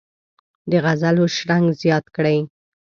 د غزلو شرنګ زیات کړي.